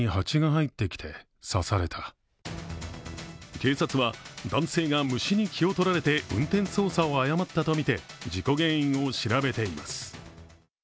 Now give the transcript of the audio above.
警察は男性が虫に気を取られて運転操作を誤ったとみて事故原因を調べています。